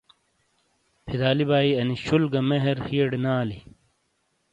فداعلی بھائی، اَنی "شُول گہ مہر" ہیئڑے نے آلی۔